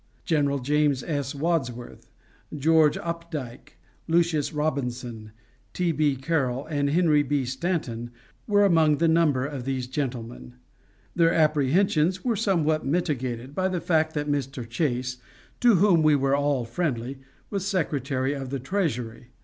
General James S. Wadsworth, George Opdyke, Lucius Robinson, T. B. Carroll, and Henry B. Stanton were among the number of these gentlemen. Their apprehensions were somewhat mitigated by the fact that Mr. Chase, to whom we were all friendly, was Secretary of the Treasury.